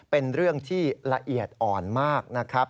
เป็นเรื่องที่ละเอียดอ่อนมากนะครับ